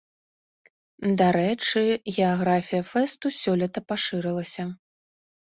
Дарэчы, геаграфія фэсту сёлета пашырылася.